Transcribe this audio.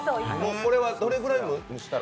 これはどれぐらい蒸したら？